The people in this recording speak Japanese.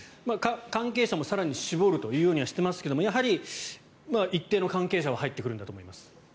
関係者も更に絞るというようにはしていますがやはり、一定の関係者は入ってくるんだと思います。